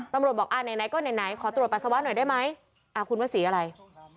ตำรวจเรียบร้อย